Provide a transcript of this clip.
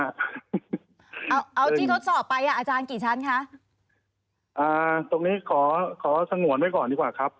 เอาเอาที่ทดสอบไปอ่ะอาจารย์กี่ชั้นคะอ่าตรงนี้ขอขอสงวนไว้ก่อนดีกว่าครับ